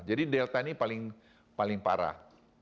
jadi delta ini paling parah